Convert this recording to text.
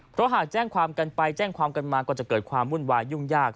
เพราะหากแจ้งความกันไปแจ้งความกันมาก็จะเกิดความวุ่นวายยุ่งยาก